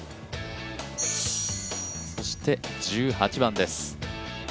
そして、１８番です。